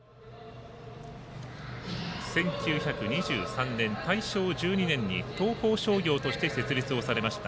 １９２３年、大正１２年に東邦商業として設立をされました。